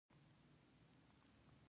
تمانچه يې ونيوله چې فارموله راکه.